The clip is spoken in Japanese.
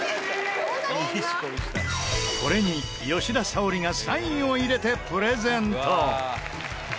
これに吉田沙保里がサインを入れてプレゼント。